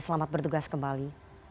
selamat bertugas kembali